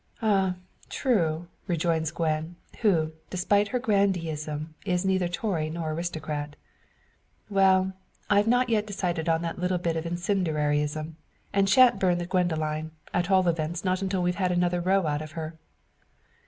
"Ah, true," rejoins Gwen, who, despite her grandeeism, is neither Tory nor aristocrat. "Well, I've not yet decided on that little bit of incendiarism, and shan't burn the Gwendoline at all events not till we've had another row out of her."